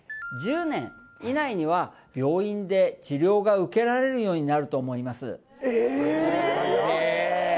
１０年以内には病院で治療が受けられるようになると思います